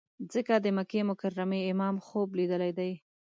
ځکه د مکې مکرمې امام خوب لیدلی دی.